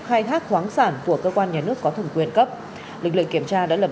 khai thác khoáng sản của cơ quan nhà nước có thẩm quyền cấp lực lượng kiểm tra đã lập